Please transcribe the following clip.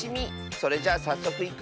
それじゃあさっそくいくよ。